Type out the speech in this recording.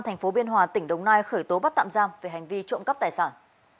thành phố biên hòa tỉnh đồng nai khởi tố bắt tạm giam về hành vi trộm cắp tài sản